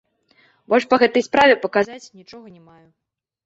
Больш па гэтай справе паказаць нічога не маю.